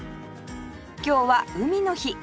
今日は海の日